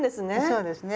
そうですね。